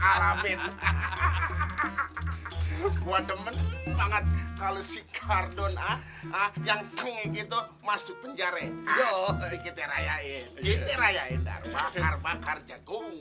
kalau si kardon ah ah yang itu masuk penjara